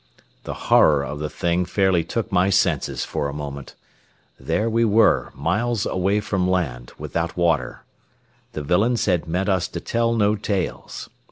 The horror of the thing fairly took my senses for a moment. There we were, miles away from land, without water. The villains had meant us to tell no tales.